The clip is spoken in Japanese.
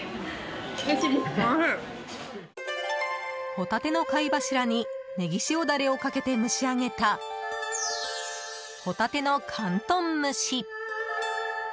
ホタテの貝柱にネギ塩ダレをかけて蒸し上げた帆立の広東蒸し。